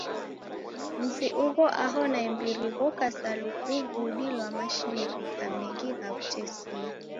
Mzi ugho aho naimbiri ghoka sa lukuvudi lwa mashirika mengi gha w'utesia.